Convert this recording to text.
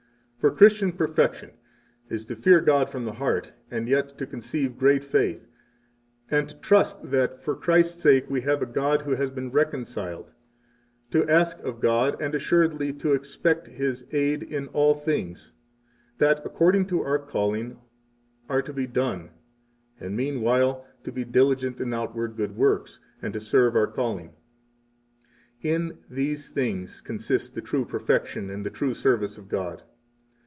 For Christian perfection is to fear God from the heart, and yet to conceive great faith, and to trust that for Christ's sake we have a God who has been reconciled, to ask of God, and assuredly to expect His aid in all things that, according to our calling, are to be done; and meanwhile, to be diligent in outward good works, 50 and to serve our calling. In these things consist the true perfection and the true service of God.